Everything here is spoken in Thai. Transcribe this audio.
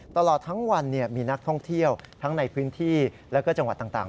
ตลอดทั้งวันมีนักท่องเที่ยวทั้งในพื้นที่แล้วก็จังหวัดต่าง